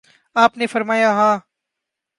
آپ نے فرمایا: ہاں